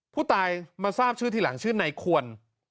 ผู้ตายมาทราบชื่อทีหลังชื่อนายควร